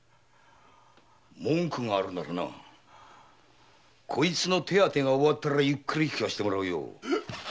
文句があるならこいつの手当てが終わったらゆっくり聞かせてもらうよ。